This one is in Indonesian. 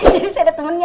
jadi saya ada temennya